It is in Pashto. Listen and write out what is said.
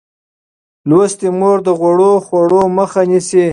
لوستې مور د غوړو خوړو مخه نیسي.